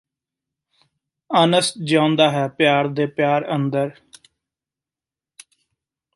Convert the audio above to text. ਅਨਸ ਜਿਉਂਦਾ ਹੈ ਪਿਆਰ ਦੇ ਪਿਆਰ ਅੰਦਰ